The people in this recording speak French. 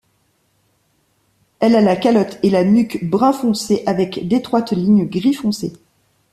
Elle a la calotte et la nuque brun foncé avec d'étroites lignes gris foncé.